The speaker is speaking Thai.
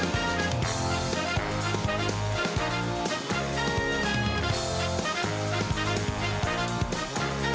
เมื่อยปากหุบแล้วนะ